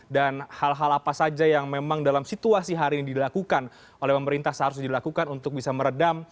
dan hal hal apa saja yang memang dalam situasi hari ini dilakukan oleh pemerintah seharusnya dilakukan untuk bisa meredam